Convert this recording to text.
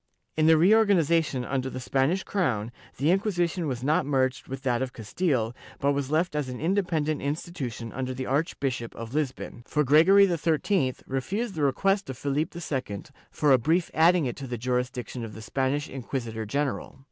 In the reorganization under the Spanish crown, the Inquisition was not merged with that of Castile, but was left as an independent institution under the Archbishop of Lisbon, for Gregory XIII refused the request of Philip II for a brief adding it to the jurisdiction of the Spanish inquisitor general.'